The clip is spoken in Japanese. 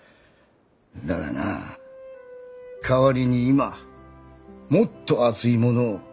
だがな代わりに今もっと熱いものを見つけてる。